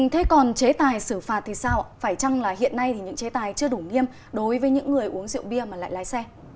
thế còn chế tài xử phạt thì sao phải chăng là hiện nay thì những chế tài chưa đủ nghiêm đối với những người uống rượu bia mà lại lái xe